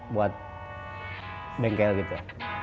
buat bengkel itu